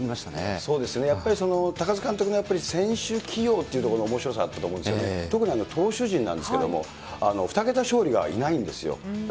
そうですよね、やっぱり高津監督の選手起用というところのおもしろさだと思うんですけれども、特に投手陣なんですけれども、２桁勝利がいないんですよ。